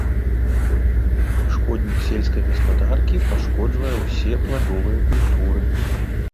Шкоднік сельскай гаспадаркі, пашкоджвае ўсе пладовыя культуры.